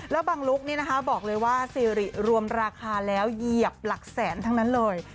แล้วบังลุคนี้นะคะบอกเลยว่าซีริรวมราคาแล้วเหยียบหลักแสนทั้งนั้นเลย